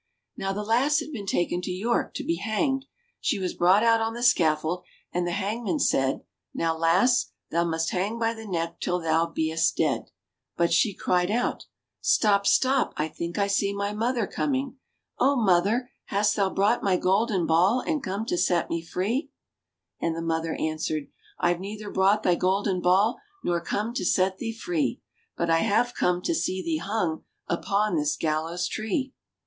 Now the lass had been taken to York to be hanged ; she was brought out on the scaffold, and the hangman said, "Now, lass, thou must hang by the neck till thou be'st dead." But she cried out : "Stop, stop, I think I see my mother coming ! O Mother, hast thou brought my golden ball And come to set me free ?" 114 THE GOLDEN BALL 115 And the mother answered : "I've neither brought thy golden ball Nor come to set thee free, But I have come to see thee hung Upon this gallows tree."